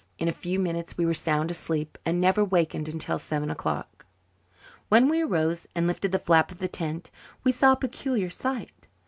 In a few minutes we were sound asleep and never wakened until seven o'clock. When we arose and lifted the flap of the tent we saw a peculiar sight.